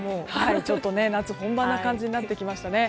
ちょっと夏本番の感じになってきましたね。